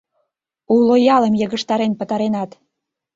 — Уло ялым йыгыжтарен пытаренат.